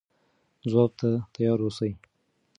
ځواب ته تیار اوسئ.